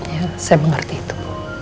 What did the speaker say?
ya saya mengerti itu